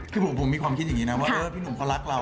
คือผมมีความคิดอย่างนี้นะว่าพี่หนุ่มเขารักเรา